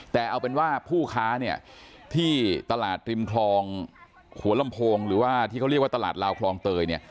แต่เอาเป็นว่าผู้ค้าเนี่ยที่ตลาดริมคลองหัวลำโพงหรือว่าที่เขาเรียกว่าตลาดลาวคลองเตยเนี่ย